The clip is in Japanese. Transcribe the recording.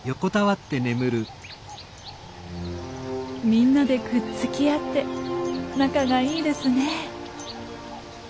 みんなでくっつき合って仲がいいですね。